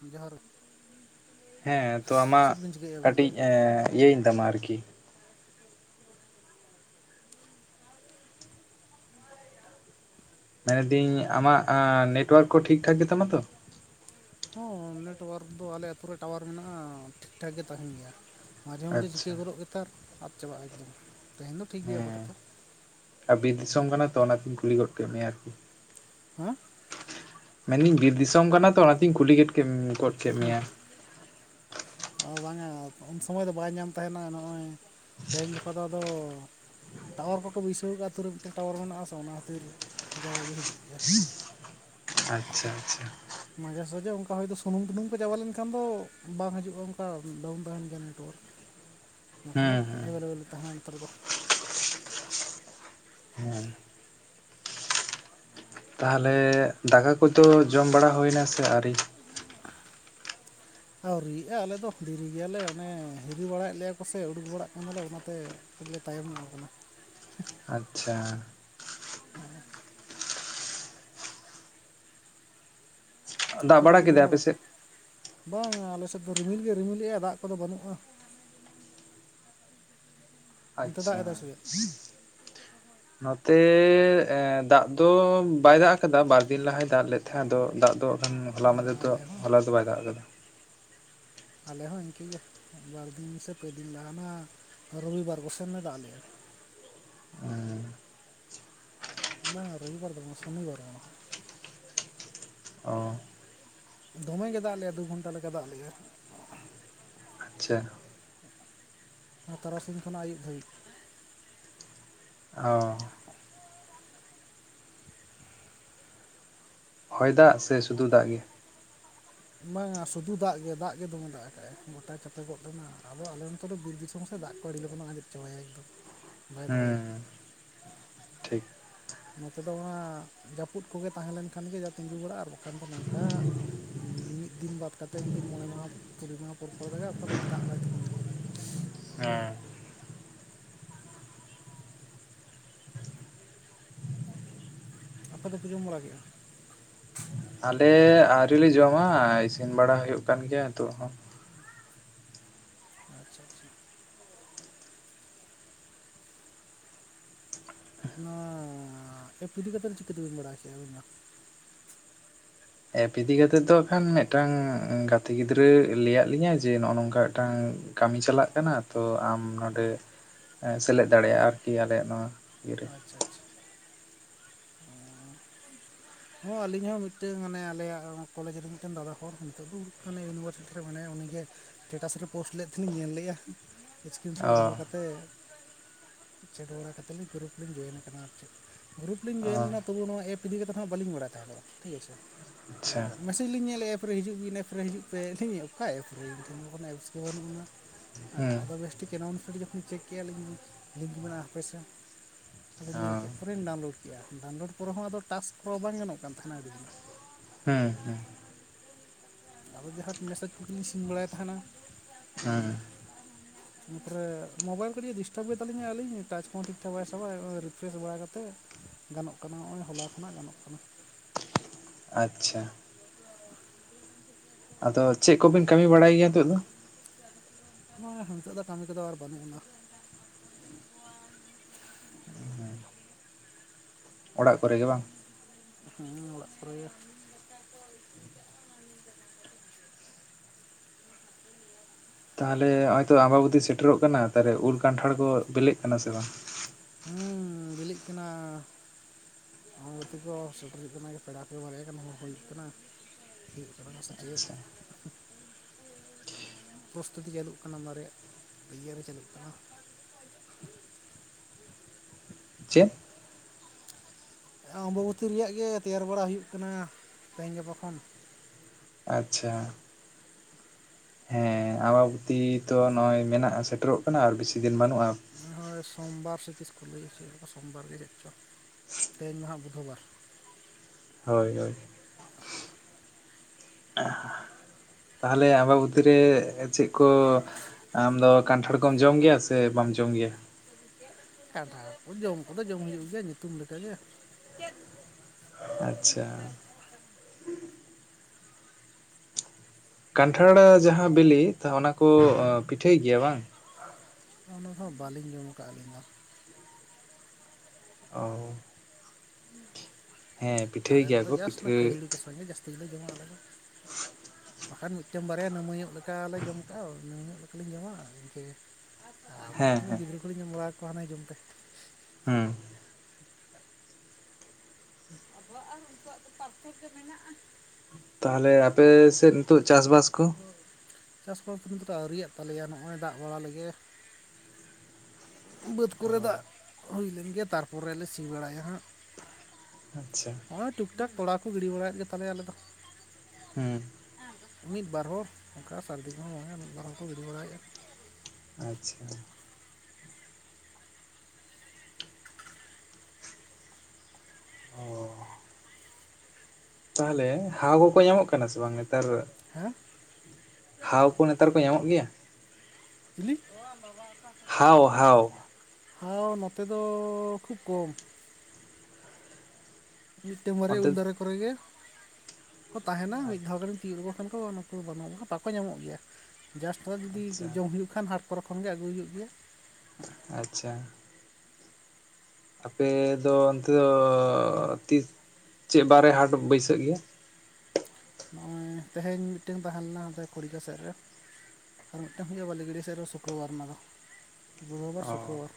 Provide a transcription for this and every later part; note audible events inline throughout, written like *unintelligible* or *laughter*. ᱡᱚᱦᱟᱨ ᱦᱮᱸ ᱛᱚ ᱟᱢᱟᱜ ᱪᱮᱫ ᱵᱤᱱ ᱪᱤᱠᱟᱹᱭᱮᱫᱼᱟ ᱟᱹᱵᱤᱱ ᱫᱚ ᱠᱟᱹᱴᱤᱡ ᱤᱭᱟᱹᱧ ᱛᱟᱢᱟ ᱟᱨᱠᱤ ᱢᱮᱱᱫᱟᱹᱧ ᱟᱢᱟᱜ ᱱᱮᱴᱳᱣᱟᱨᱠ ᱠᱚ ᱴᱷᱤᱠ ᱴᱷᱟᱠ ᱜᱮᱛᱟᱢᱟ ᱛᱚ? ᱦᱚᱸ ᱱᱮᱴᱚᱣᱟᱨᱠ ᱫᱚ ᱟᱞᱮ ᱟᱛᱩᱨ ᱨᱮ ᱴᱟᱣᱟᱨ ᱢᱮᱱᱟᱜᱼᱟ ᱴᱷᱤᱠ ᱴᱷᱟᱠ ᱜᱮ ᱛᱟᱦᱮᱱ ᱜᱮᱭᱟ᱾ ᱢᱟᱡᱷᱮ ᱢᱟᱡᱷᱮ ᱪᱤᱠᱟᱹ ᱟᱪᱪᱷᱟ ᱜᱚᱫᱚᱜ ᱜᱮᱛᱟᱨ ᱟᱫ ᱪᱟᱵᱟᱜᱼᱟ ᱮᱠᱫᱚᱢ ᱛᱮᱦᱮᱧ ᱫᱚ ᱴᱷᱤᱠ ᱜᱮᱭᱟ ᱦᱮᱸ ᱟᱯᱟᱛᱚᱛᱚ ᱟᱨ ᱵᱤᱨ ᱫᱤᱥᱚᱢ ᱠᱟᱱᱟ ᱛᱚ ᱚᱱᱟᱛᱤᱧ ᱠᱩᱞᱤ ᱜᱚᱫ ᱠᱮᱫ ᱢᱮᱭᱟ ᱟᱨᱠᱤ ᱦᱮᱸ ᱢᱮᱱᱫᱟᱹᱧ ᱵᱤᱨ ᱫᱤᱥᱚᱢ ᱠᱟᱱᱟ ᱛᱚ ᱚᱱᱟᱛᱤᱧ ᱠᱩᱞᱤ ᱜᱚᱫ ᱠᱮᱫ ᱢᱮᱭᱟ ᱚ ᱵᱟᱝᱟ ᱩᱱ ᱥᱚᱢᱚᱭ ᱫᱚ ᱵᱟᱭ ᱧᱟᱢ ᱛᱟᱦᱮᱱᱟ ᱱᱚᱜᱼᱚᱭ ᱛᱮᱦᱮᱧ ᱜᱟᱯᱟ ᱫᱚ ᱟᱫᱚ ᱴᱟᱣᱟᱨ ᱠᱚᱠᱚ ᱵᱟᱹᱭᱥᱟᱹᱣ ᱠᱟᱜᱼᱟ ᱟ. ᱛᱩᱨᱮ ᱢᱤᱫᱴᱮᱱ ᱴᱟᱣᱟᱨ ᱢᱮᱱᱟᱜ ᱟᱥᱮ ᱚᱱᱟ ᱠᱷᱟᱹᱛᱤᱨ ᱡᱟᱣ ᱜᱮ ᱦᱤᱡᱩᱜ ᱜᱮᱭᱟ *inaudible* ᱟᱪᱪᱷᱟ ᱟᱪᱪᱷᱟ ᱢᱟᱡᱷᱮ ᱥᱟᱡᱷᱮ ᱚᱱᱠᱟ ᱦᱚᱭ ᱥᱩᱱᱩᱢᱼᱩᱱᱩᱢ ᱠᱚ ᱪᱟᱵᱟ ᱞᱮᱱᱠᱷᱟᱱ ᱫᱚ ᱵᱟᱝ ᱦᱤᱡᱩᱜᱼᱟ ᱚᱱᱠᱟ ᱰᱟᱣᱩᱱ ᱛᱟᱦᱮᱸᱱ ᱜᱮᱭᱟ ᱱᱮᱴᱳᱣᱟᱨᱠ ᱵᱟᱠᱷᱟᱱ ᱫᱚ ᱦᱮᱸ ᱦᱮᱸ ᱮᱵᱮᱞᱮᱵᱮᱞ ᱛᱟᱦᱮᱸᱱᱟ ᱱᱮᱛᱟᱨ ᱫᱚ ᱦᱮᱸ ᱛᱟᱦᱚᱞᱮ ᱫᱟᱠᱟ ᱠᱚᱫᱚ ᱡᱚᱢ ᱵᱟᱲᱟ ᱦᱩᱭᱱᱟ ᱥᱮ ᱟᱹᱣᱨᱤ ᱟ. ᱣᱨᱤᱭᱟᱜᱼᱟ ᱟᱞᱮ ᱫᱚ ᱫᱤᱨᱤ ᱜᱮᱭᱟᱞᱮ ᱚᱱᱮ ᱦᱤᱨᱤ ᱵᱟᱲᱟᱭᱮᱫ ᱞᱮᱭᱟ ᱠᱚᱥᱮ ᱩᱰᱩᱠ ᱵᱟᱲᱟᱜ ᱠᱟᱱᱟᱞᱮ ᱚᱱᱟᱛᱮ ᱵᱚᱞᱮ ᱛᱟᱭᱚᱢ ᱧᱚᱜ ᱠᱟᱱᱟ ᱟᱪᱪᱷᱟ ᱦᱮᱸ ᱫᱟᱜ ᱟᱯᱮ ᱫᱚᱯᱮ ᱡᱚᱢ ᱠᱮᱫᱟᱭ ᱟᱯᱮ ᱵᱟᱲᱟ ᱠᱮᱫ ᱥᱮᱫ ᱵᱟᱝᱟ ᱟᱞᱮ ᱥᱮᱫ ᱮᱫ ᱫᱚ ᱨᱤᱢᱤᱞ ᱜᱮ ᱨᱤᱢᱤᱞᱮᱜᱼᱟ ᱫᱟᱜ ᱠᱚᱫᱚ ᱵᱟᱹᱱᱩᱜᱼᱟ ᱚᱱᱛᱮ ᱫᱟᱜ ᱟᱪᱪᱷᱟ ᱮᱫᱟᱭ ᱥᱮ ᱪᱮᱫ ᱱᱚᱛᱮ ᱫᱟᱜ ᱫᱚ ᱵᱟᱭ ᱫᱟᱜ ᱟᱠᱟᱫᱟ ᱵᱟᱨ ᱫᱤᱱ ᱞᱟᱦᱟᱭ ᱫᱟᱜ ᱞᱮᱫ ᱛᱟᱦᱮᱸᱫ ᱟᱫᱚ ᱫᱟᱜ ᱫᱚ ᱦᱚᱞᱟ ᱢᱟᱫᱷᱮᱨ ᱫᱚ ᱟᱞᱮ ᱦᱚᱸ ᱦᱚᱞᱟ ᱫᱚ ᱵᱟᱭ ᱫᱟᱜ ᱟᱠᱟᱫᱟ ᱟᱞᱮ ᱦᱚᱸ ᱤᱱᱠᱟᱹᱜᱮ ᱵᱟᱨᱫᱤᱱ ᱥᱮ ᱯᱮ ᱫᱤᱱ ᱞᱟᱦᱟᱱᱟᱜ ᱨᱚᱵᱤᱵᱟᱨ ᱠᱚ ᱥᱮᱱ ᱮ ᱫᱟᱜ ᱞᱮᱜᱼᱟ *inaudible* ᱵᱟᱝ ᱨᱚᱵᱤᱵᱟᱨ ᱫᱚ ᱵᱟᱝ ᱥᱚᱱᱤᱵᱟᱨ ᱵᱟᱝ ᱚ ᱫᱚᱢᱮ ᱜᱮ ᱫᱟᱜᱼᱟ ᱞᱮᱭᱟ ᱫᱩ ᱜᱷᱚᱱᱴᱟ ᱞᱮᱠᱟ ᱫᱟᱜ ᱞᱮᱭᱟ ᱟᱪᱪᱷᱟ ᱛᱟᱨᱟᱥᱤᱧ ᱠᱷᱚᱱᱟᱜ ᱟᱹᱭᱩᱵ ᱫᱷᱟᱹᱵᱤᱡ ᱚ ᱦᱚᱭ ᱫᱟᱜ ᱥᱮ ᱥᱩᱫᱷᱩ ᱫᱟᱜ ᱜᱮ ᱵᱟᱝᱟ ᱥᱩᱫᱷᱩ ᱫᱟᱜ ᱜᱮ ᱫᱟᱜ ᱜᱮ ᱫᱚᱢᱮ ᱫᱟᱜ ᱟᱠᱟᱫ ᱜᱚᱴᱟ ᱪᱟᱯᱮ ᱜᱚᱫ ᱞᱮᱱᱟ ᱟᱫᱚ ᱟᱞᱮ ᱱᱚᱛᱮ ᱫᱚ ᱵᱤᱨᱫᱤᱥᱳᱢ ᱫᱟᱜ ᱠᱚ ᱟᱹᱰᱤ ᱞᱚᱜᱚᱱ‌ᱮ ᱟᱸᱡᱮᱫ ᱪᱟᱵᱟᱭ ᱮᱠᱫᱚᱢ ᱵᱟᱭ ᱫᱚᱦᱚᱭᱟ ᱦᱮᱸ ᱱᱚᱛᱮ ᱫᱚ ᱚᱱᱟ ᱡᱟᱹᱯᱩᱫ ᱠᱚᱜᱮ ᱛᱟᱦᱮᱸ ᱞᱮᱱᱠᱷᱟᱱ ᱜᱮ ᱡᱟ ᱛᱤᱸᱜᱩ ᱵᱟᱲᱟᱜᱼᱟ ᱟᱨ ᱵᱟᱠᱷᱟᱱ ᱫᱚ ᱱᱚᱝᱠᱟ ᱢᱤᱫ ᱫᱤᱱ ᱵᱟᱫᱽ ᱠᱟᱛᱮᱜ ᱡᱩᱫᱤ ᱢᱚᱬᱮ ᱢᱟᱦᱟ ᱠᱩᱲᱤ ᱢᱟᱦᱟ ᱯᱚᱨ ᱯᱚᱨ ᱫᱟᱜᱟᱭᱟ ᱚᱱᱠᱟ ᱫᱚ ᱫᱟᱜ ᱵᱟᱭ ᱛᱤᱜᱩᱱ ᱜᱮᱭᱟ *inaudible* ᱦᱮᱸ ᱟᱯᱮ ᱫᱚᱯᱮ ᱡᱚᱢ ᱵᱟᱲᱟ ᱠᱮᱫᱼᱟ ᱟᱞᱮ ᱟᱹᱣᱨᱤᱮ ᱡᱚᱢᱟ ᱤᱥᱤᱱ ᱵᱟᱲᱟ ᱦᱩᱭᱩᱜ ᱠᱟᱱ ᱜᱮᱭᱟ ᱛᱚ ᱟᱪᱪᱷᱟ ᱟᱪᱪᱷᱟ ᱱᱚᱣᱟ ᱮᱯ ᱤᱫᱤ ᱠᱟᱛᱮᱫ ᱫᱚ ᱪᱤᱠᱟᱹᱛᱮᱵᱮᱱ ᱵᱟᱲᱟᱭ ᱠᱮᱫᱼᱟ ᱟᱹᱵᱮᱱ ᱫᱚ ᱮᱯ ᱤᱫᱤ ᱠᱟ ᱠᱟᱛᱮᱜ ᱫᱚ ᱤᱠᱷᱟᱱ ᱢᱤᱫᱴᱟᱝ ᱜᱟᱛᱮ ᱜᱤᱫᱽᱨᱟᱹᱭ ᱞᱟᱹᱭᱟᱫ ᱞᱤᱧᱟᱹ ᱡᱮ ᱱᱚᱜᱼᱚᱭ ᱱᱚᱝᱠᱟ ᱢᱤᱫᱴᱟᱝ ᱠᱟᱹᱢᱤ ᱪᱟᱞᱟᱜ ᱠᱟᱱᱟ ᱛᱚ ᱟᱢ ᱱᱚᱰᱮ ᱥᱮᱞᱮᱫ ᱫᱟᱲᱮᱭᱟᱜᱼᱟ ᱟᱨᱠᱤ ᱟᱞᱮᱭᱟᱜ ᱱᱚᱣᱟ ᱤᱭᱟᱹᱨᱮ ᱟᱪᱪᱷᱟ ᱟᱪᱪᱷᱟ ᱦᱚᱸ ᱟᱹᱞᱤᱧ ᱦᱚᱸ ᱢᱤᱫᱴᱮᱱ ᱢᱟᱱᱮ ᱟᱞᱮᱭᱟᱜ ᱠᱚᱞᱮᱡᱽ ᱨᱮᱱ ᱢᱤᱫᱴᱮᱱ ᱫᱟᱫᱟ ᱦᱚᱲ ᱱᱤᱛᱚᱜ ᱫᱚ ᱤᱭᱩᱱᱤᱵᱷᱟᱨᱥᱤᱴᱤ ᱨᱮ ᱢᱮᱱᱟᱭᱟ ᱩᱱᱤᱜᱮ ᱮᱴᱮᱴᱟᱥ ᱨᱮ ᱯᱳᱥᱴ ᱞᱮᱫ ᱛᱟᱦᱮᱱᱤᱧ ᱧᱮᱞ ᱞᱮᱫᱼᱟ ᱥᱠᱨᱤᱱᱥᱚᱴ ᱚ ᱫᱚᱦᱚ ᱠᱟᱛᱮᱫ ᱪᱮᱫ ᱵᱟᱲᱟ ᱠᱟᱛᱮ ᱜᱨᱩᱯ ᱞᱤᱧ ᱡᱚᱭᱮᱱ ᱟᱠᱟᱱᱟ ᱟᱨ ᱪᱮᱫ ᱜᱨᱩᱯ ᱞᱤᱧ ᱚ ᱡᱚᱭᱮᱱ ᱮᱱᱟ ᱛᱚᱵᱮ ᱱᱚᱣᱟ ᱮᱯ ᱤᱫᱤ ᱠᱟᱛᱮᱫ ᱦᱚᱸ ᱵᱟᱹᱞᱤᱧ ᱵᱟᱲᱟᱭ ᱛᱟᱦᱮᱸᱱᱚᱜ ᱴᱷᱤᱠ ᱟᱪᱷᱮ ᱛᱚ ᱟᱪᱪᱷᱟ ᱢᱮᱥᱮᱧ ᱞᱤᱧ ᱧᱮᱞᱮᱫᱼᱟ ᱮᱨᱯᱮ ᱦᱤᱡᱩᱜ ᱜᱤ ᱤᱱᱟᱹᱯᱚᱨᱮ ᱦᱤᱡᱩᱜ ᱯᱮ ᱟᱹᱞᱤᱧ ᱚᱠᱟ ᱮᱯ ᱨᱮᱞᱤᱧ ᱵᱚᱞᱚ ᱟᱠᱟᱱᱟ ᱮᱯᱥ ᱜᱮ ᱵᱟᱹᱱᱩᱜ ᱟᱱᱟ ᱦᱮᱸ ᱦᱩᱸ ᱟᱫᱚ ᱵᱮᱥ ᱴᱷᱤᱠ ᱮᱱᱟ ᱩᱱᱥ ᱡᱚᱠᱷᱚᱱᱤᱧ ᱪᱮᱠ ᱠᱮᱜᱼᱟᱞᱤᱧ ᱞᱤᱝᱠ ᱢᱮᱱᱟᱜᱼᱟ ᱦᱟᱯᱮ ᱥᱮ ᱟᱫᱚ ᱧᱮᱞ ᱚ ᱠᱮᱫ ᱯᱚᱨᱮᱧ ᱰᱟᱣᱩᱱᱞᱳᱰ ᱠᱮᱫᱮᱜᱼᱟ ᱰᱟᱣᱩᱱᱞᱳᱰ ᱯᱚᱨᱮ ᱦᱚᱸ ᱟᱫᱚ ᱴᱟᱥᱠ ᱨᱚ ᱵᱟᱝ ᱜᱟᱱᱚᱜ ᱠᱟᱱ ᱛᱟᱦᱮᱱᱟ ᱟᱹᱰᱤ ᱫᱤᱱ ᱦᱮᱸ ᱦᱮᱸ ᱟᱵᱚ ᱡᱟᱦᱟᱸ ᱢᱮᱥᱮᱡᱽ ᱠᱚᱜᱤᱧ ᱥᱤᱱ ᱵᱟᱲᱟᱭ ᱛᱟᱦᱮᱸᱱᱟ ᱦᱮᱸ ᱦᱩᱸ ᱚᱱᱟᱯᱚᱨᱮ ᱢᱳᱵᱟᱭᱤᱞ ᱠᱟᱹᱴᱤᱡ ᱰᱤᱥᱴᱟᱵ ᱜᱮ ᱛᱟᱞᱤᱧᱟ ᱟᱹᱞᱤᱧ ᱴᱟᱪ ᱠᱚᱦᱚᱸ ᱴᱷᱤᱠ ᱴᱷᱟᱠ ᱵᱟᱭ ᱥᱟᱵᱟᱜᱼᱟ ᱨᱤᱯᱷᱨᱮᱥ ᱵᱟᱲᱟ ᱠᱟᱛᱮᱫ ᱜᱟᱱᱚᱜ ᱠᱟᱱᱟ ᱱᱚᱜᱼᱚᱭ ᱦᱚᱞᱟ ᱠᱷᱚᱱᱟᱜ ᱜᱟᱱᱚᱜ ᱠᱟᱱᱟ᱾ ᱟᱪᱪᱷᱟ ᱟᱫᱚ ᱪᱮᱫ ᱠᱚᱵᱤᱱ ᱠᱟᱹᱢᱤ ᱵᱟᱲᱟᱭ ᱜᱮᱭᱟ ᱱᱤᱛᱚᱜ ᱫᱚ? ᱱᱤᱛᱚᱜ ᱫᱚ ᱠᱟᱹᱢᱤ ᱠᱚᱫᱚ ᱟᱨ ᱵᱟᱹᱱᱩᱜ ᱟᱱᱟ᱾ ᱚᱲᱟᱜ ᱠᱚᱨᱮ ᱜᱮ ᱵᱟᱝ? ᱦᱮᱸ ᱚᱲᱟᱜ ᱠᱚᱨᱮ ᱜᱮ *inaudible* ᱛᱟᱦᱚᱞᱮ ᱱᱚ-ᱚᱭᱛᱚ ᱟᱢᱵᱟᱵᱚᱛᱤ ᱥᱮᱴᱮᱨᱚᱜ ᱠᱟᱱᱟ ᱛᱟᱦᱞᱮ ᱩᱞ ᱠᱟᱱᱴᱷᱟᱲ ᱠᱚ ᱵᱤᱞᱮᱜ ᱠᱟᱱᱟ ᱥᱮ ᱵᱟᱝ? ᱦᱮᱸ ᱵᱤᱞᱤᱜ ᱠᱟᱱᱟ᱾ ᱟᱢᱵᱟᱵᱚᱛᱤ ᱠᱚ ᱥᱮᱴᱮᱨᱚᱜ ᱠᱟᱱᱟ ᱯᱮᱲᱟ ᱠᱚ ᱵᱟᱨᱭᱟ ᱜᱟᱱ ᱦᱚᱦᱚ ᱦᱩᱭ ᱠᱟᱱᱟ *unintelligible* ᱥᱮ ᱪᱮᱫ ᱟᱪᱪᱷᱟ ᱯᱨᱚᱥᱛᱩᱛᱤ ᱪᱟᱹᱞᱩᱜ ᱠᱟᱱᱟ ᱚᱱᱟ ᱨᱮᱭᱟᱜ ᱤᱭᱮ ᱪᱟᱹᱞᱩᱜ ᱠᱟᱱᱟ ᱪᱮᱫ ᱚᱢᱵᱟᱵᱚᱛᱤ ᱨᱮᱭᱟᱜ ᱜᱮ ᱛᱮᱭᱟᱨ ᱵᱟᱲᱟ ᱦᱩᱭᱩᱜ ᱠᱟᱱᱟ ᱛᱮᱦᱤᱧ ᱜᱟᱯᱟ ᱠᱷᱚᱱ ᱟᱪᱪᱷᱟ ᱦᱮᱸ ᱟᱢᱵᱟᱵᱚᱛᱤ ᱛᱚ ᱱᱚᱜᱼᱚᱭ ᱢᱮᱱᱟᱜᱼᱟ ᱥᱮᱴᱮᱨᱚᱜ ᱠᱟᱱᱟ ᱟᱨ ᱵᱮᱥᱤ ᱫᱤᱱ ᱵᱟᱹᱱᱩᱜᱼᱟ᱾ ᱦᱳᱭ ᱥᱚᱢᱵᱟᱨ ᱥᱮ ᱛᱤᱥ ᱠᱩ ᱞᱟᱹᱭ ᱩᱪᱩᱮᱫ ᱥᱚᱢᱵᱟᱨ ᱜᱮ ᱡᱟᱱᱤᱪ ᱪᱚᱝ ᱛᱮᱦᱧ ᱢᱟᱦᱟᱸᱜ ᱵᱩᱫᱷᱵᱟᱨ ᱦᱳᱭ ᱦᱳᱭ ᱛᱟᱦᱚᱞᱮ ᱟᱢᱵᱟᱵᱫᱤᱨᱮ ᱪᱮᱫ ᱠᱚ ᱟᱢ ᱫᱚ ᱠᱟᱱᱴᱷᱟᱲ ᱠᱚᱢ ᱡᱚᱢ ᱜᱮᱭᱟ ᱥᱮ ᱵᱟᱢ ᱡᱚᱢ ᱜᱮᱭᱟ ᱠᱟᱱᱴᱷᱟᱲ ᱠᱚ ᱡᱚᱢ ᱠᱚᱫᱚ ᱡᱚᱢ ᱦᱩᱭᱩᱜ ᱜᱮᱭᱟ ᱧᱩᱛᱩᱢᱠᱟᱜᱮ ᱟᱪᱪᱷᱟ ᱠᱟᱱᱴᱷᱟᱲ ᱡᱟᱦᱟᱸᱦᱟ ᱵᱤᱞᱤ ᱚᱱᱟᱠᱚ ᱯᱤᱴᱷᱟᱹᱭ ᱜᱮᱭᱟ ᱵᱟᱝ ᱚᱱᱟ ᱫᱚ ᱵᱟᱹᱞᱤᱧ ᱡᱚᱢ ᱠᱟᱜ ᱟᱹᱞᱤᱧ ᱫᱚ᱾ ᱚᱸ-ᱚᱸ *unintelligible* ᱦᱩᱸ ᱜᱮᱭᱟ ᱟᱞᱮᱫᱚ ᱠᱚ ᱡᱟᱥᱴ ᱚᱱᱟ ᱯᱤᱴᱷᱟᱹ ᱠᱷᱟᱹᱡᱟᱹᱲᱤ ᱠᱚ ᱥᱟᱣ ᱡᱟᱹᱥᱛᱤ ᱜᱮᱞᱮ ᱡᱚᱢᱟ ᱟᱞᱮ ᱫᱚ ᱵᱟᱠᱷᱟᱱ ᱢᱤᱫᱴᱮᱱ ᱵᱟᱨᱭᱟ ᱱᱟᱹᱢᱟᱹᱧᱚᱜ ᱞᱮᱠᱟᱞᱮ ᱡᱚᱢ ᱟᱠᱟᱟᱜᱼᱟ ᱤᱱᱟᱹ ᱧᱚᱜ ᱞᱮᱠᱟᱞᱧ ᱡᱚᱢᱟ ᱤᱱᱠᱟᱹ ᱦᱮᱸ ᱟᱫᱚᱠᱷᱟᱱ ᱦᱮᱸ ᱜᱤᱫᱽᱨᱟᱹ ᱠᱚᱞᱤᱧ ᱡᱚᱢ ᱵᱟᱲᱟ ᱠᱚᱣᱟ ᱦᱟᱱᱮ ᱡᱚᱢ ᱯᱮ᱾ ᱦᱮᱸ *unintelligible* ᱢᱮᱱᱟᱜᱼᱟ ᱛᱟᱦᱞᱮ ᱟᱯᱮ ᱥᱮᱫ ᱱᱤᱛᱚᱜ ᱪᱟᱥᱵᱟᱥ ᱠᱚ ᱪᱟᱥᱵᱟᱥ ᱠᱤᱱᱛᱩᱟ ᱟᱹᱣᱨᱤᱭᱮᱫ ᱛᱟᱞᱮᱭᱟ ᱱᱚᱜᱼᱚᱭ ᱫᱟᱜ ᱵᱟᱲᱟ ᱞᱮᱜᱮ᱾ ᱵᱟᱹᱫᱽ ᱠᱚᱨᱮ ᱫᱟᱜ ᱦᱩᱭ ᱞᱮᱱ ᱜᱮᱭᱟ ᱛᱟᱨᱯᱚᱨᱮ ᱞᱮ ᱥᱤ ᱵᱟᱲᱟᱭᱟ ᱦᱟᱸᱜ᱾ ᱟᱪᱪᱷᱟ ᱛᱚᱞᱟ ᱠᱚᱲᱟ ᱠᱚ ᱜᱤᱰᱤ ᱵᱟᱲᱟᱭᱮᱫ ᱜᱮᱛᱟᱞᱮᱭᱟ ᱟᱞᱮ ᱫᱚ᱾ ᱦᱩᱸ ᱢᱤᱫ ᱵᱟᱨ ᱦᱚᱸ ᱚᱱᱠᱟ ᱥᱟᱹᱨᱫᱤ ᱠᱚᱦᱚᱸ ᱵᱟᱝᱟ ᱢᱤᱫ ᱵᱟᱨ ᱦᱚᱸᱠᱚ ᱜᱤᱰᱤ ᱵᱟᱲᱟᱭᱮᱫᱼᱟ ᱟᱪᱪᱷᱟ ᱚ ᱛᱟᱦᱚᱞᱮ ᱦᱟᱣ ᱠᱚᱠᱚ ᱧᱟᱢᱚᱜ ᱠᱟᱱᱟ ᱥᱮ ᱵᱟᱝ ᱱᱮᱛᱟᱨ᱾ ᱦᱮᱸ ᱦᱟᱣ ᱠᱚ ᱱᱮᱛᱟᱨ ᱠᱚ ᱧᱟᱢᱚᱜ ᱜᱮᱭᱟ? ᱪᱤᱞᱤ? ᱦᱟᱣ ᱦᱟᱣ ᱦᱟᱣ ᱱᱚᱛᱮ ᱫᱚ ᱠᱷᱩᱵᱽ ᱠᱚᱢ᱾ ᱢᱤᱫᱴᱮᱱ ᱢᱟᱨᱮ ᱚᱱᱛᱮ ᱩᱞ ᱫᱟᱨᱮ ᱠᱚᱨᱮ ᱜᱮ᱾ ᱠᱚ ᱛᱟᱦᱮᱱᱟ ᱢᱤᱫ ᱫᱷᱟᱣ ᱜᱢ ᱛᱤᱭᱳᱜ ᱞᱮᱚ ᱠᱷᱟᱱ ᱠᱚ ᱚᱱᱟ ᱠᱚ ᱵᱟᱹᱱᱩᱜ ᱵᱟᱠᱚ ᱧᱟᱢᱚᱜ ᱜᱮᱭᱟ ᱡᱟᱥᱴ ᱛᱷᱚᱲᱟ ᱡᱩᱫᱤ ᱟᱪᱪᱷᱟ ᱡᱚᱢ ᱦᱩᱭᱩᱜ ᱠᱷᱟᱱ ᱦᱟᱴ ᱠᱚᱚᱨᱨᱮ ᱠᱷᱚᱱᱜᱮ ᱟᱹᱜᱩᱭ ᱦᱩᱭᱩᱜ ᱜᱮᱭᱟ ᱟᱪᱪᱷᱟ ᱟᱯᱮ ᱫᱚ ᱚᱱᱛᱮ ᱫᱚ ᱛᱤᱥ ᱪᱮᱫ ᱵᱟᱨᱮ ᱦᱟᱴ ᱵᱟᱹᱭᱥᱟᱹᱜ ᱜᱮ ᱦᱮᱸ ᱛᱮᱦᱮᱧ ᱢᱤᱫᱴᱮᱱ ᱛᱟᱦᱮᱸ ᱞᱮᱱᱟ ᱚᱸᱰᱮ ᱠᱷᱚᱲᱤᱠᱟ ᱥᱮᱫ ᱨᱮ ᱟᱨ ᱢᱤᱫᱴᱟᱱ ᱦᱩᱭᱩᱜᱼᱟ ᱵᱟᱹᱞᱤᱰᱤ ᱥᱮᱫ ᱨᱮ ᱥᱩᱠᱨᱚᱵᱟᱨ ᱚᱱᱟᱫᱚ ᱵᱩᱫᱷᱵᱟᱨ ᱚ ᱥᱩᱠᱨᱚᱵᱟᱨ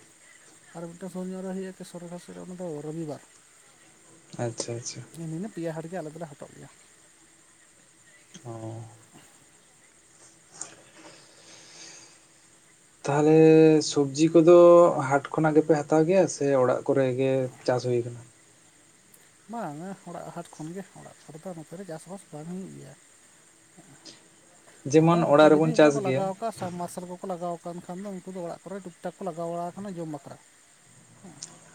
ᱟᱨ ᱢᱤᱫᱴᱟᱱ ᱫᱚ ᱥᱚᱨ ᱨᱮ ᱦᱩᱭᱩᱜᱼᱟ ᱥᱚᱨᱠ ᱥᱮᱫ ᱨᱮ ᱚᱱᱟ ᱫᱚ ᱨᱚᱵᱤᱵᱟᱨ ᱟᱪᱪᱷᱟ ᱟᱪᱪᱷᱟ ᱱᱤᱱᱟᱹ ᱯᱮᱭᱟ ᱦᱟᱴ ᱜᱮ ᱟᱞᱮ ᱫᱚᱞᱮ ᱦᱟᱴᱚᱜ ᱜᱮᱭᱟ ᱚ ᱛᱟᱦᱚᱞᱮ ᱥᱚᱵᱽᱡᱤ ᱠᱚᱫᱚ ᱦᱟᱴ ᱠᱷᱚᱱᱟᱜ ᱜᱮᱯᱮ ᱦᱟᱛᱟᱣ ᱜᱮᱭᱟ ᱥᱮ ᱚᱲᱟᱜ ᱠᱚᱨᱮ ᱜᱮ ᱪᱟᱥ ᱵᱟᱥ ᱦᱩᱭᱩᱜᱼᱟ ᱵᱟᱝ-ᱟ ᱚᱲᱟᱜ ᱦᱟᱴ ᱠᱷᱚᱱᱜᱮ ᱚᱲᱟᱜ ᱠᱚᱨᱮ ᱫᱚ ᱱᱚᱛᱮᱨᱮ ᱪᱟᱥᱼᱵᱟᱥ ᱵᱟᱝ ᱦᱩᱭᱩᱜ ᱜᱮᱭᱟ ᱡᱮᱢᱚᱱ ᱦᱚᱸ ᱚᱠᱚᱭ ᱚᱲᱟᱜ ᱡᱩᱫᱤ ᱨᱮᱵᱚᱱ ᱚᱱᱠᱟ ᱪᱟᱥ ᱠᱚ ᱜᱮᱭᱟ ᱞᱟᱜᱟᱣ ᱠᱟᱜ ᱥᱟᱵᱼᱢᱟᱨᱥᱟᱞ ᱠᱚᱠᱚ ᱞᱟᱜᱟᱣ ᱵᱟᱝ ᱠᱷᱟᱱ ᱫᱚ ᱩᱱᱠᱩ ᱫᱚ ᱚᱲᱟᱜ ᱠᱚᱨᱮ ᱴᱩᱠ ᱴᱟᱠ ᱠᱚ ᱞᱟᱜᱟᱣ ᱵᱟᱲᱟᱣ ᱟᱠᱟᱱᱟ ᱡᱚᱢ ᱵᱟᱠᱷᱨᱟ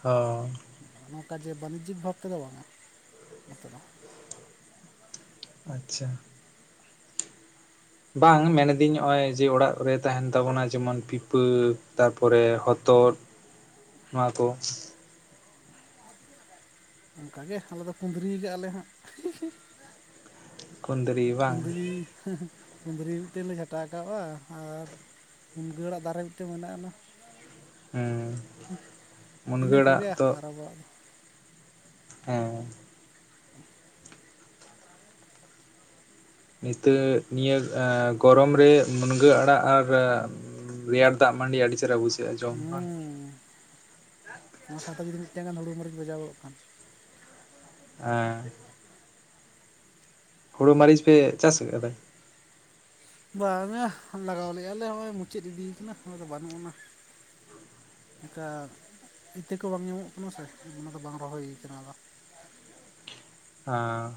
ᱦᱚᱸ ᱢᱮ ᱵᱟᱱᱤᱡᱤᱵ ᱵᱷᱟᱵ ᱛᱮᱫᱚ ᱵᱟᱝ-ᱟ ᱱᱚᱛᱮ ᱫᱚ ᱟᱪᱪᱷᱟ ᱵᱟᱝ ᱢᱮᱱᱫᱟᱹᱧ ᱱᱚᱜ ᱚᱭ ᱡᱮ ᱚᱲᱟᱜ ᱨᱮ ᱛᱟᱦᱮᱱ ᱛᱟᱵᱚᱱᱟ ᱡᱮᱢᱚᱱ ᱯᱤᱯᱟᱹ ᱛᱟᱨᱯᱚᱨᱮ ᱦᱚᱛᱚᱫ ᱱᱚᱣᱟ ᱠᱚ ᱚᱱᱠᱟᱜᱮ ᱟᱞᱮ ᱫᱚ ᱠᱩᱸᱫᱽᱨᱤ ᱜᱮ ᱟᱞᱮ ᱦᱟᱸᱜ ᱠᱩᱸᱫᱽᱨᱤ ᱵᱟᱝ ᱠᱩᱸᱫᱽᱨᱤ ᱠᱩᱸᱫᱽᱨᱤ ᱢᱤᱫᱴᱮᱱ ᱞᱮ ᱡᱷᱟᱴᱟ ᱟᱠᱟᱜᱼᱟ ᱟᱨ ᱢᱩᱱᱜᱟᱹ ᱟᱲᱟᱜ ᱫᱟᱨᱮ ᱢᱤᱫᱴᱮᱱ ᱢᱮᱱᱟᱜᱼᱟᱱᱟ ᱦᱮᱸ ᱢᱩᱱᱜᱟᱹ ᱤᱱᱟᱹ ᱟᱲᱟᱜ ᱠᱚᱜᱮ ᱫᱚ ᱟᱨ ᱟᱵᱚᱣᱟᱜ ᱫᱚ ᱦᱮᱸ ᱱᱤᱛᱚᱜ ᱱᱤᱭᱟᱹ ᱜᱚᱨᱚᱢ ᱨᱮ ᱢᱩᱱᱜᱟᱹ ᱟᱲᱟᱜ ᱟᱨ ᱨᱮᱭᱟᱲ ᱫᱟᱜ ᱢᱟᱹᱰᱤ ᱟᱹᱰᱤ ᱪᱮᱦᱨᱟ ᱵᱩᱡᱷᱟᱹᱜᱼᱟ ᱡᱚᱢ ᱵᱟᱝ *inaudible* ᱚᱱᱟ ᱥᱟᱶᱛᱮ ᱡᱩᱫᱤ *unintelligible* ᱦᱮᱸ ᱦᱩᱲᱩ ᱢᱟᱹᱨᱤᱪ ᱯᱮ ᱪᱟᱥ ᱟᱠᱟᱫᱟ ᱵᱟᱝ-ᱟ ᱞᱟᱜᱟᱣ ᱞᱮᱫᱼᱟᱞᱮ ᱦᱚᱸᱜᱼᱚᱭ ᱢᱩᱪᱟᱹᱫ ᱤᱫᱤᱭ ᱠᱟᱱᱟ ᱚᱱᱟ ᱫᱚ ᱵᱟᱹᱱᱩᱜ ᱟᱱᱟ ᱚᱱᱠᱟ ᱤᱛᱟᱹ ᱠᱚ ᱵᱟᱝ ᱧᱟᱢᱚᱜ ᱠᱟᱱᱟ ᱥᱮ ᱚᱱᱟ ᱫᱚ ᱵᱟᱝ ᱨᱚᱦᱚᱭ ᱦᱳᱭ ᱟᱠᱟᱱᱟ ᱚᱱᱟ ᱫᱚ *inaudible* ᱦᱟᱸ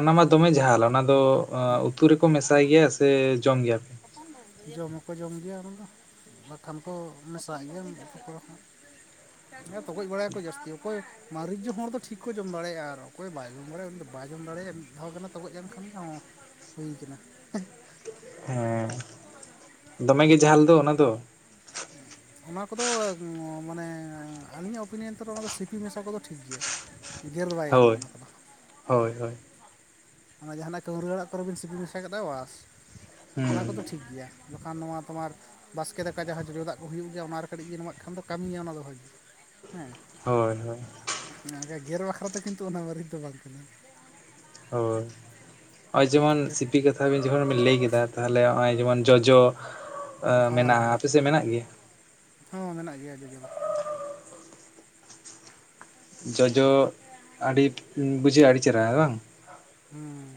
ᱚᱱᱟ ᱢᱟ ᱫᱚᱢᱮ ᱡᱷᱟᱞ ᱚᱱᱟ ᱫᱚ ᱩᱛᱩ ᱨᱮᱠᱚ ᱢᱮᱥᱟᱭ ᱜᱮᱭᱟ ᱥᱮ ᱡᱚᱢ ᱜᱮᱭᱟ ᱯᱮ ᱡᱚᱢ ᱦᱚᱸᱠᱚ ᱡᱚᱢ ᱜᱮᱭᱟ ᱚᱱᱟ ᱫᱚ ᱵᱟᱠᱷᱟᱱ ᱠᱚ ᱢᱮᱥᱟᱭ ᱜᱮᱭᱟ ᱢᱤᱫ ᱩᱛᱩ ᱠᱚ ᱦᱚᱸ ᱦᱮᱸ ᱛᱚᱠᱚᱡ ᱵᱟᱲᱟᱭᱟᱠᱚ ᱡᱟᱹᱥᱛᱤ ᱚᱠᱚᱭ ᱦᱮᱸ ᱛᱚᱜᱚᱡ ᱵᱟᱲᱟᱭ ᱟᱠᱚ ᱡᱟᱹᱥᱛᱤ ᱚᱠᱚᱭ ᱢᱟᱹᱨᱤᱪ ᱡᱚᱢ ᱦᱚᱲ ᱫᱚ ᱴᱷᱤᱠ ᱠᱚ ᱡᱚᱢ ᱫᱟᱲᱮᱭᱟᱜᱼᱟ ᱟᱨ ᱚᱠᱚᱭ ᱵᱟᱭ ᱡᱚᱢ ᱫᱟᱲᱮᱭᱟᱜᱼᱟ ᱵᱟᱭᱡᱚᱢ ᱫᱟᱲᱮᱭᱟᱜᱼᱟ ᱢᱤᱫ ᱫᱷᱟᱣ ᱜᱟᱱᱮ ᱛᱚᱜᱚᱡ ᱟᱱᱠᱷᱟᱱ ᱦᱚᱸ ᱦᱩᱭ ᱠᱟᱱᱟ ᱦᱮᱸ ᱫᱚᱢᱮ ᱜᱮ ᱡᱷᱟᱞ ᱫᱚ ᱚᱱᱟ ᱫᱚ ᱚᱱᱟ ᱠᱚᱫᱚ ᱢᱟᱱᱮ ᱟᱹᱞᱤᱧᱟᱜ ᱩᱯᱤᱱᱤᱭᱚᱱ ᱛᱮᱫᱚ ᱥᱤᱯᱤ ᱢᱮᱥᱟ ᱠᱚᱫᱚ ᱴᱷᱤᱠ ᱜᱮᱭᱟ ᱜᱮᱨ ᱵᱟᱭ ᱜᱟᱱᱚᱜᱼᱟ ᱦᱳᱭ ᱚᱱᱟ ᱠᱚᱫᱚ ᱦᱳᱭ ᱦᱳᱭ ᱚᱱᱟ ᱡᱟᱦᱟᱱᱟᱜ ᱠᱟᱹᱣᱨᱟᱹ ᱟᱲᱟᱜ ᱠᱚᱨᱮ ᱵᱮᱱ ᱥᱤᱯᱤ ᱢᱮᱥᱟ ᱠᱮᱫᱟ ᱵᱟᱥ ᱚᱱᱟ ᱦᱩᱸ ᱠᱚᱫᱚ ᱴᱷᱤᱠ ᱜᱮᱭᱟ ᱵᱟᱠᱷᱟᱱ ᱱᱚᱣᱟ ᱛᱳᱢᱟᱨ ᱵᱟᱥᱠᱮ ᱫᱟᱠᱟ ᱡᱟᱦᱟᱸ ᱡᱚᱡᱚ ᱫᱟᱜ ᱦᱩᱭᱩᱜ ᱜᱮᱭᱟ ᱚᱱᱟᱨᱮ ᱠᱟᱹᱴᱤᱡ ᱵᱤᱱ ᱮᱢᱟᱜ ᱠᱷᱟᱱ ᱫᱚ ᱠᱟᱹᱢᱤᱭᱟ ᱚᱱᱟ ᱫᱚ ᱦᱚᱭ ᱦᱳᱭ ᱦᱳᱭ ᱜᱮᱨ ᱵᱟᱠᱷᱨᱟ ᱫᱚ ᱠᱤᱱᱛᱩ ᱚᱱᱟ ᱢᱟᱹᱨᱤᱪ ᱫᱚ ᱵᱟᱝ ᱠᱟᱱᱟ ᱦᱚᱸ ᱱᱚᱜᱼᱚᱭ ᱡᱮᱢᱚᱱ ᱜᱮᱨ ᱥᱤᱯᱤ ᱠᱟᱛᱷᱟ ᱵᱤᱱ ᱡᱮᱢᱚᱱ ᱵᱤᱱ ᱞᱟᱹᱭ ᱠᱮᱫᱟ ᱛᱟᱦᱚᱞᱮ ᱱᱚᱜᱼᱚᱭ ᱡᱮᱢᱚᱱ ᱡᱚᱡᱚ ᱦᱳᱭ ᱢᱮᱱᱟᱜᱼᱟ ᱟᱯᱮ ᱥᱮᱫ ᱢᱮᱱᱟᱜ ᱜᱮᱭᱟ ᱦᱚᱸ ᱢᱮᱱᱟᱜ ᱜᱮᱭᱟ ᱡᱚᱡᱚ ᱫᱚ ᱡᱚᱡᱚ ᱟᱹᱰᱤ ᱵᱩᱡᱷᱟᱹᱜᱼᱟ ᱟᱹᱰᱤ ᱪᱮᱦᱨᱟ ᱵᱟᱝ ᱦᱩᱸ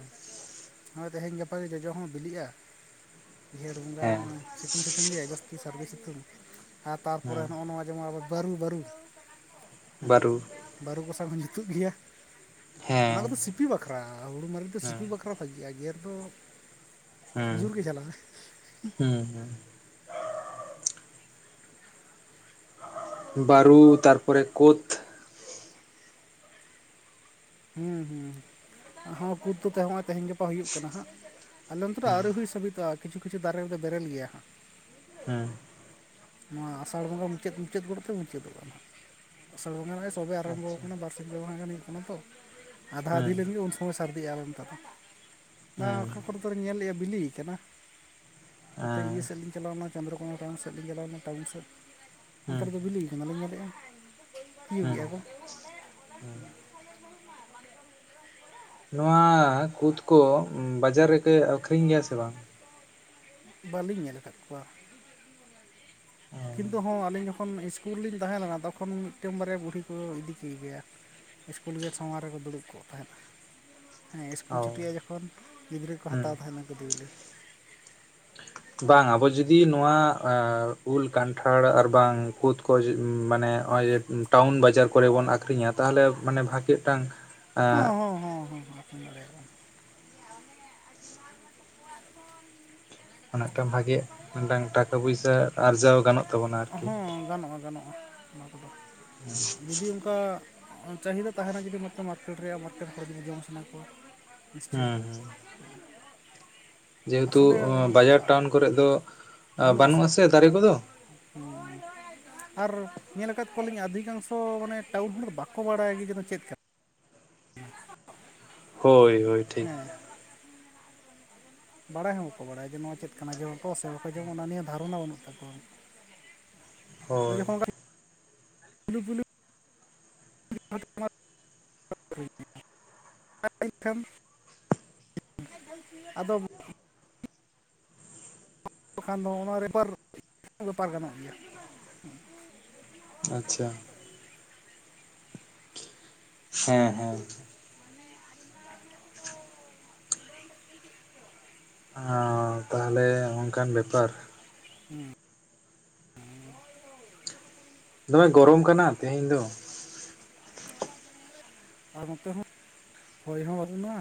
ᱦᱳᱭ ᱛᱮᱦᱮᱧ ᱜᱟᱯᱟ ᱜᱮ ᱡᱚᱡᱚ ᱦᱚᱸ ᱵᱤᱞᱤᱜᱼᱟ ᱡᱷᱮᱸᱰ ᱵᱚᱸᱜᱟ ᱦᱮᱸ ᱥᱤᱛᱩᱝ ᱥᱤᱛᱩᱝ ᱜᱮ ᱡᱟᱹᱥᱛᱤ ᱥᱟᱹᱨᱫᱤ ᱥᱤᱛᱩᱝ ᱟᱨ ᱛᱟᱨᱯᱚᱨᱮ ᱦᱮᱸ ᱱᱚᱜᱼᱚ ᱱᱚ-ᱚᱭ ᱡᱮᱢᱚᱱ ᱟᱵᱚ ᱵᱟᱹᱨᱩ ᱵᱟᱹᱨᱩ ᱵᱟᱹᱨᱩ ᱵᱟᱹᱨᱩ ᱠᱚᱥᱟ *unintelligible* ᱡᱩᱛᱩᱜ ᱜᱮᱭᱟ ᱚᱱᱟ ᱦᱮᱸ ᱠᱚᱫᱚ ᱥᱤᱯᱤ ᱵᱟᱠᱷᱨᱟ ᱦᱩᱲᱩ ᱢᱟᱨᱤᱪ ᱫᱚ ᱦᱮᱸ ᱥᱤᱯᱤ ᱵᱟᱠᱷᱨᱟ ᱵᱷᱟᱹᱜᱤᱜᱼᱟ ᱜᱮᱨ ᱫᱚ ᱟᱹᱰᱤ ᱦᱮᱸ ᱡᱳᱨ ᱜᱮ ᱡᱷᱟᱞ-ᱟ ᱦᱩᱸ ᱵᱟᱨᱩ ᱛᱟᱨᱯᱚᱨᱮ ᱠᱳᱛᱷ ᱦᱩᱸ ᱦᱩᱸ ᱟᱨᱦᱚ ᱠᱩᱫ ᱠᱚᱛᱮ ᱛᱮᱦᱮᱧ ᱜᱟᱯᱟ ᱦᱩᱭᱩᱜ ᱠᱟᱱᱟ ᱦᱟᱸᱜ ᱟᱞᱮ ᱱᱚᱛᱮ ᱫᱚ ᱦᱩᱸ ᱟᱹᱣᱨᱤ ᱦᱩᱭ ᱥᱟᱹᱵᱩᱛ ᱟ ᱠᱤᱪᱷᱩ ᱠᱤᱪᱷᱩ ᱫᱟᱨᱮ ᱨᱮᱫᱚ ᱵᱮᱨᱮᱞ ᱜᱮᱭᱟ ᱦᱮᱸ ᱱᱚᱣᱟ ᱟᱥᱟᱲ ᱵᱚᱸᱜᱟ ᱢᱩᱪᱟᱹᱫ ᱢᱩᱪᱟᱹᱫ ᱜᱚᱫᱛᱮ ᱢᱩᱪᱟᱹᱫᱚᱜᱼᱟ ᱦᱟᱸᱜ ᱟᱥᱟᱲ ᱵᱚᱸᱜᱟ ᱥᱚᱵᱮ ᱟᱨᱟᱢᱵᱚ ᱟᱪᱪᱷᱟ ᱟᱠᱟᱱᱟ ᱵᱟᱨᱥᱤᱧ ᱵᱟᱝᱟᱱ ᱦᱩᱭᱩᱜ ᱠᱟᱱᱟ ᱛᱚ ᱟᱫᱷᱟ ᱫᱤ ᱦᱩᱸ ᱞᱮᱱᱜᱮ ᱩᱱ ᱥᱚᱢᱚᱭ ᱥᱟᱨᱫᱤᱜᱼᱟ ᱵᱟᱝ ᱦᱩᱸ ᱚᱠᱟ ᱠᱚᱨᱮ ᱫᱚᱞᱮ ᱧᱮᱞ ᱞᱮᱫᱼᱟ ᱵᱤᱞᱤ ᱠᱟᱱᱟ ᱚᱱᱛᱮ ᱤᱭᱟᱹ ᱦᱮᱸ ᱥᱮᱫ ᱞᱤᱧ ᱪᱟᱞᱟᱣᱱᱟ ᱪᱚᱱᱫᱨᱚᱠᱚᱱᱟ ᱴᱟᱣᱩᱱ ᱥᱮᱫ ᱞᱤᱧ ᱪᱟᱞᱟᱣ ᱞᱮᱱᱟ ᱴᱟᱣᱩᱱ ᱥᱮᱫ ᱚᱱᱛᱮ ᱦᱩᱸ ᱨᱮ ᱫᱚ ᱵᱤᱞᱤ ᱠᱟᱱᱟᱞᱤᱧ ᱧᱮᱞ ᱞᱮᱫᱼᱟ ᱛᱤᱭᱩᱜ ᱦᱩᱸ ᱜᱮᱼᱟ ᱠᱚ ᱦᱩᱸ ᱱᱚᱣᱟ ᱠᱩᱫ ᱠᱚ ᱵᱟᱡᱟᱨ ᱨᱮᱠᱚ ᱟᱠᱷᱨᱤᱧ ᱜᱮᱭᱟ ᱥᱮ ᱵᱟᱝ ᱵᱟᱹᱞᱤᱧ ᱧᱮᱞ ᱟᱠᱟᱫ ᱠᱚᱣᱟ ᱠᱤᱱᱛᱩ ᱦᱚᱸ ᱟᱹᱞᱤᱧ ᱡᱚᱠᱷᱚᱱ ᱤᱥᱠᱩᱞ ᱨᱮ ᱞᱤᱧ ᱛᱟᱦᱮᱸ ᱞᱮᱱᱟ ᱛᱚᱠᱷᱚᱱ ᱢᱤᱫᱴᱮᱱ ᱵᱟᱨᱭᱟ ᱵᱩᱲᱦᱤ ᱠᱚ ᱤᱫᱤ ᱠᱮ ᱜᱮᱭᱟ ᱥᱠᱩᱞ ᱜᱮᱴ ᱥᱟᱢᱟᱝ ᱨᱮᱠᱚ ᱫᱩᱲᱩᱵ ᱠᱚᱜ ᱛᱟᱸᱦᱮᱫ ᱦᱮᱸ ᱤᱥᱠᱩᱞ ᱚ ᱪᱷᱩᱴᱤᱜᱼᱟ ᱡᱚᱠᱷᱚᱱ ᱜᱤᱫᱽᱨᱟᱹ ᱠᱚ ᱦᱟᱛᱟᱣ ᱦᱩᱸ ᱛᱟᱦᱮᱸᱱᱟ ᱠᱩᱫ ᱵᱤᱞᱤ *inaudible* ᱵᱟᱝ ᱟᱵᱚ ᱡᱩᱫᱤ ᱱᱚᱣᱟ ᱮ ᱩᱞ ᱠᱟᱱᱴᱷᱟᱲ ᱟᱨ ᱵᱟᱝ ᱠᱩᱫ ᱠᱚ ᱢᱟᱱᱮ ᱱᱚᱜᱼᱚᱭ ᱡᱮ ᱴᱟᱣᱩᱱ ᱵᱟᱡᱟᱨ ᱠᱚᱨᱮ ᱵᱚᱱ ᱟᱠᱷᱨᱤᱧᱟ ᱛᱟᱦᱚᱞᱮ ᱢᱟᱱᱮ ᱵᱷᱟᱜᱮ ᱢᱤᱫᱴᱟᱝ ᱦᱚ ᱦᱚ ᱦᱚ ᱚᱱᱟᱴᱟᱝ ᱵᱷᱟᱜᱮ ᱢᱤᱫᱴᱟᱝ ᱴᱟᱠᱟ ᱯᱚᱭᱥᱟ ᱟᱨᱡᱟᱣ ᱜᱟᱱᱚᱜ ᱛᱟᱵᱚᱱᱟ ᱟᱨᱠᱤ ᱦᱚᱸ ᱜᱟᱱᱚᱜᱼᱟ ᱜᱟᱱᱚᱜᱼᱟ ᱚᱱᱟ ᱠᱚᱫᱚ ᱡᱩᱫᱤ ᱚᱱᱠᱟ ᱪᱟᱦᱤᱫᱟ ᱛᱟᱦᱮᱱᱟ ᱡᱩᱫᱤ ᱢᱮᱫᱴᱟᱝ ᱢᱟᱨᱠᱮᱴ ᱨᱮᱭᱟᱜ ᱢᱟᱨᱠᱮᱴ ᱦᱚᱲ ᱡᱚᱢ ᱥᱟᱱᱟ ᱠᱚᱣᱟ ᱱᱤᱥᱪᱚᱭ ᱦᱮᱸ ᱦᱮᱸ ᱡᱮᱦᱮᱛᱩ ᱵᱟᱡᱟᱨ ᱴᱟᱣᱩᱱ ᱠᱚᱨᱮᱜ ᱫᱚ ᱵᱟᱹᱱᱩᱜ ᱟᱥᱮ ᱫᱟᱨᱮ ᱠᱚᱫᱚ ᱦᱚ ᱟᱨ ᱧᱮᱞ ᱟᱠᱟᱫ ᱠᱚᱣᱟᱞᱤᱧ ᱚᱫᱷᱤᱠᱟᱝᱥᱚ ᱢᱟᱱᱮ ᱴᱟᱣᱩᱱ ᱦᱚᱲ ᱫᱚ ᱵᱟᱠᱚ ᱵᱟᱲᱟᱭᱟ ᱡᱮ ᱱᱚᱣᱟ ᱫᱚ ᱪᱮᱫ ᱠᱟᱱᱟ ᱦᱳᱭ ᱦᱳᱭ ᱴᱷᱤᱠ ᱦᱮᱸ *unintelligible* ᱵᱟᱲᱟᱭ ᱦᱚᱸ ᱵᱟᱠᱚ ᱵᱟᱲᱟᱭᱟ ᱡᱮ ᱱᱚᱣᱟ ᱪᱮᱫ ᱠᱟᱱᱟ ᱡᱚᱢᱟ ᱠᱚᱥᱮ ᱵᱟᱠᱚ ᱡᱚᱢᱟ ᱱᱚᱣᱟ ᱱᱤᱭᱟᱹ ᱫᱷᱟᱨᱚᱱᱟ ᱵᱟᱹᱱᱩᱜ ᱛᱟᱠᱚᱣᱟ *inaudible* ᱟᱫᱚ ᱦᱳᱭ ᱡᱚᱠᱷᱚᱱ *unintelligible* *inaudible* ᱟᱫᱚ ᱟᱫᱚ ᱠᱷᱟᱱ ᱫᱚ ᱚᱱᱟ ᱨᱮᱯᱟᱨ ᱵᱮᱯᱟᱨ ᱜᱟᱱᱚᱜ ᱜᱮᱭᱟ ᱟᱪᱪᱷᱟ ᱦᱮᱸ ᱦᱮᱸ ᱮ ᱛᱟᱦᱞᱮ ᱚᱱᱠᱟᱱ ᱵᱮᱯᱟᱨ ᱦᱮᱸ ᱦᱮᱸ ᱫᱚᱢᱮ ᱜᱚᱨᱚᱢ ᱠᱟᱱᱟ ᱛᱮᱦᱮᱧ ᱫᱚ ᱟᱨ ᱱᱚᱛᱮ ᱦᱚᱸ ᱦᱚᱭ ᱦᱚᱸ ᱵᱟᱹᱱᱩᱜᱼᱟ